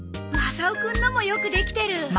マサオくんのもよくできてる。